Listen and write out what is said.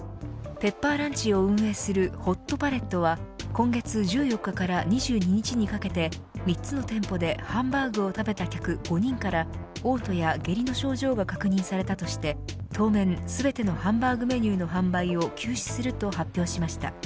ペッパーランチを運営するホットパレットは今月１４日から２２日にかけて３つの店舗でハンバーグを食べた客５人から嘔吐や下痢の症状が確認されたとして当面、全てのハンバーグメニューの販売を休止すると発表しました。